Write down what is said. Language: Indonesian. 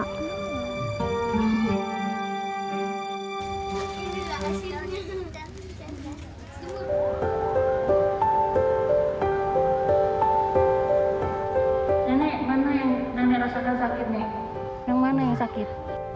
dan yang mana yang sakit